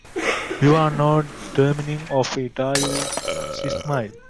‘You are not dreaming of it, are you?’ She smiled.